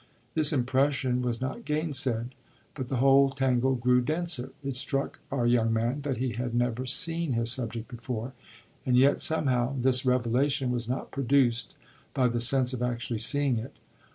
This impression was not gainsaid, but the whole tangle grew denser. It struck our young man that he had never seen his subject before, and yet somehow this revelation was not produced by the sense of actually seeing it.